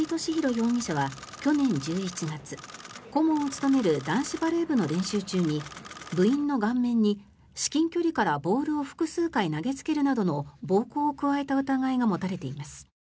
容疑者は去年１１月、顧問を務める男子バレー部の練習中に部員の顔面に至近距離からボールを複数回投げつけるなどの暴行を加えた疑いが持たれています。